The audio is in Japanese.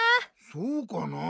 そうかなぁ？